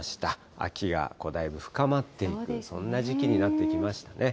秋がだいぶ深まっていく、そんな時期になってきましたね。